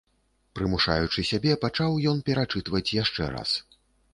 Прымушаючы сябе, пачаў ён перачытваць яшчэ раз.